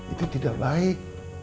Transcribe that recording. itu tidak baik